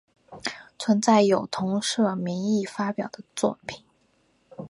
存在有同社名义发表的作品。